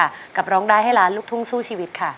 กับร้องได้ให้ล้านลูกทุ่งสู้ชีวิตค่ะ